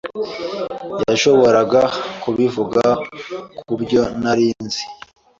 yashoboraga kubivuga kubyo nari nzi.